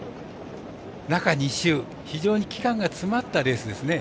中２週、非常に期間が詰まったレースですね。